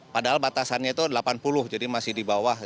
padahal batasannya itu delapan puluh jadi masih di bawah